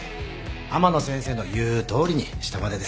天野先生の言うとおりにしたまでです。